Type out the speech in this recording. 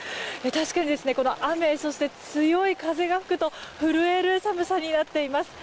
確かに、この雨そして強い風が吹くと震える寒さになっています。